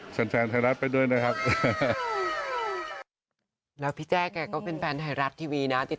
แสดงแสดงไทรัศน์ไปด้วยนะครับ